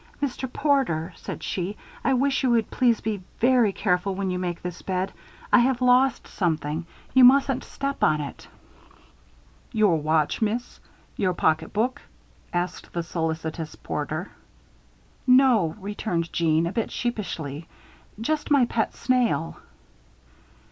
"Mr. Porter," said she, "I wish you would please be very careful when you make this bed. I have lost something you mustn't step on it." "Yore watch, Miss? Yore pocketbook?" asked the solicitous porter. "No," returned Jeanne, a bit sheepishly, "just my pet snail."